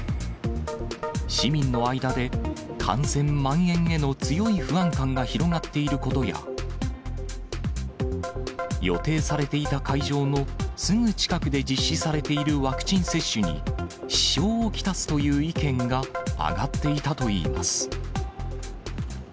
市民の間で、感染まん延への強い不安感が広がっていることや、予定されていた会場のすぐ近くで実施されているワクチン接種に、支障を来すという意見が上がっていたといいます。